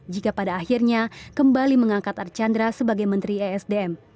jika pada akhirnya kembali mengangkat archandra sebagai menteri esdm